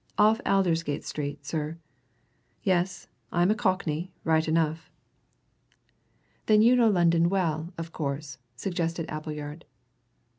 Off Aldersgate Street, sir. Yes, I'm a Cockney, right enough." "Then you know London well, of course," suggested Appleyard.